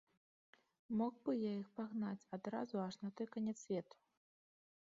Мог бы я іх пагнаць адразу аж на той канец свету.